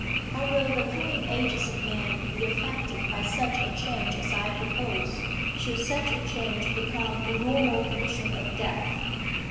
How will the coming ages of men be affected by such a change as I propose, should such a change become the normal condition of Death?